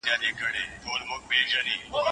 ډکه ځولۍ بېرې مې وکړې